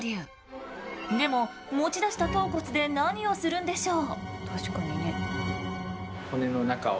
でも持ち出した頭骨で何をするんでしょう？